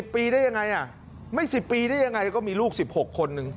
ปีได้ยังไงไม่๑๐ปีได้ยังไงก็มีลูก๑๖คนนึง